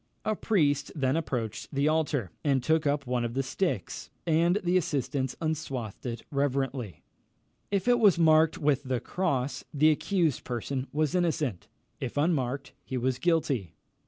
A priest then approached the altar, and took up one of the sticks, and the assistants unswathed it reverently. If it was marked with the cross, the accused person was innocent; if unmarked, he was guilty.